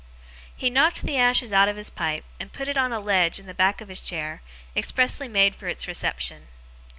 He knocked the ashes out of his pipe, and put it on a ledge in the back of his chair, expressly made for its reception.